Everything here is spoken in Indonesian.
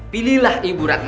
pilihlah ibu rana